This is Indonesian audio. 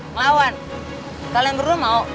ngelawan kalian berdua mau